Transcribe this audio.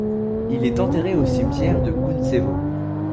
Il est enterré au cimetière de Kountsevo.